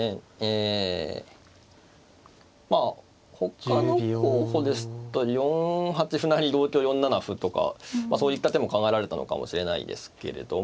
えまあほかの候補ですと４八歩成同香４七歩とかそういった手も考えられたのかもしれないですけれども。